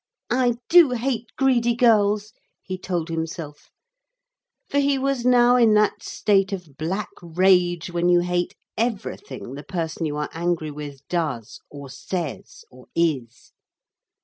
'I do hate greedy girls,' he told himself, for he was now in that state of black rage when you hate everything the person you are angry with does or says or is.